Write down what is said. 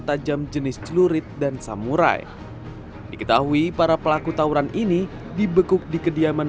tajam jenis celurit dan samurai diketahui para pelaku tawuran ini dibekuk di kediaman